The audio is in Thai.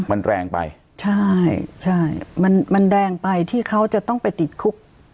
มันแรงไปใช่ใช่มันมันแรงไปที่เขาจะต้องไปติดคุก